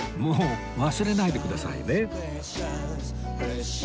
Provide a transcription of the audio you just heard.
もう忘れないでくださいね